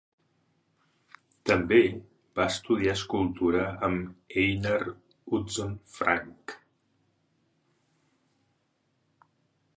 També va estudiar escultura amb Einar Utzon-Frank.